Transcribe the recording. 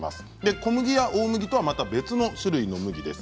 小麦や大麦とはまた別の種類の麦です。